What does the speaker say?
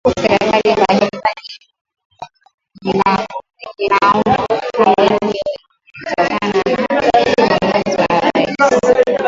huku serikali mbalimbali zikilaumu hali hiyo imetokana na uvamizi wa Urusi